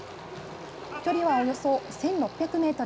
距離は、およそ１６００ｍ。